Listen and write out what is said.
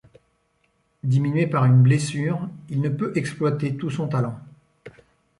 Diminué par une blessure, il ne peut exploiter tout son talent.